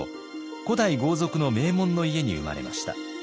古代豪族の名門の家に生まれました。